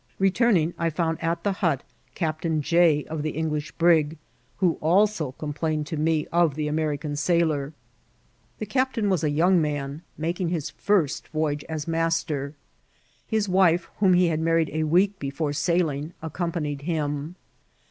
Betuming, I found at the hut Captain Jay, of the English brig, who also complained to me of the American sailor. The captain was a young 8SS IKCIDXNTS OF TRATSL. man, makmghis first voyage as master ; his wife, whom be had married a week before sailing, accompanied him.